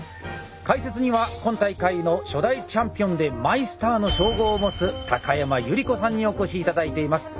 解説には今大会の初代チャンピオンでマイスターの称号を持つ山由利子さんにお越し頂いています。